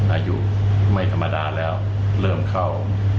อายุไม่ธรรมดาแล้วเริ่มเข้า